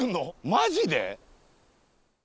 マジで？